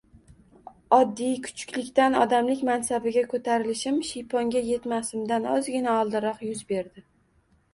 Oddiy kuchuklikdan odamlik mansabiga ko‘tarilishim shiyponga yetmasimdan ozgina oldinroq yuz berdi